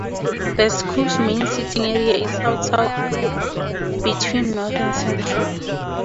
The school's main sitting area is outside between North and Central.